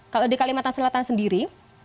kalau di kalimantan selatan sendiri